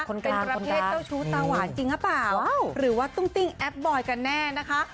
เป็นประเภทเจ้าชู้ตาหวานจริงหรือเปล่าหรือว่าตุ้งติ้งแอปบอยกันแน่นะคะ